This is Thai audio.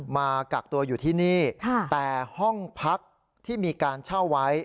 มากักตัวอยู่ที่นี่แต่ห้องพักที่มีการเช่าไว้